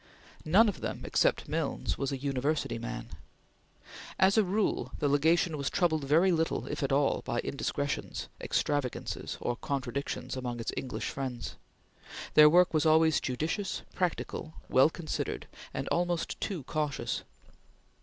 None of them, except Milnes, was a university man. As a rule, the Legation was troubled very little, if at all, by indiscretions, extravagances, or contradictions among its English friends. Their work was largely judicious, practical, well considered, and almost too cautious.